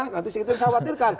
nanti itu yang saya khawatirkan